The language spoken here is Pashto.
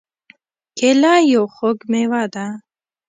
کېله یو خوږ مېوه ده.